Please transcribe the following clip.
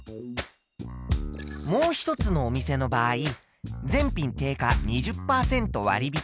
もう一つのお店の場合全品定価２０％割引。